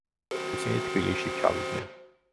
ისინი თბილისში ჩავიდნენ.